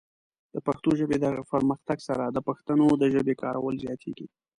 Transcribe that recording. د پښتو ژبې د پرمختګ سره، د پښتنو د ژبې کارول زیاتېږي.